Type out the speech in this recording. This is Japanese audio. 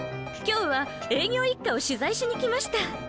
今日は営業一課を取材しにきました！